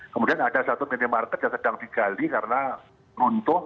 kemudian ada satu minimarket yang sedang digali karena runtuh